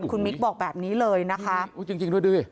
คุณมิคบอกแบบนี้เลยนะคะจริงด้วย